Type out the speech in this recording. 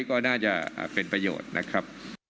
ก็น่าจะเป็นประโยชน์นะครับ